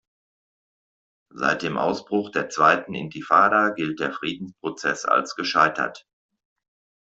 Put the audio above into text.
Seit dem Ausbruch der zweiten Intifada gilt der Friedensprozess als gescheitert.